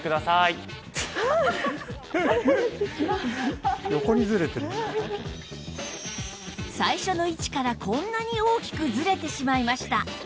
最初の位置からこんなに大きくずれてしまいました